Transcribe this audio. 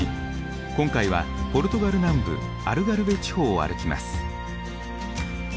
今回はポルトガル南部アルガルヴェ地方を歩きます。